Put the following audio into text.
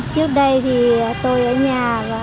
trước đây thì tôi ở nhà